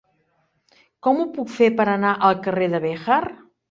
Com ho puc fer per anar al carrer de Béjar?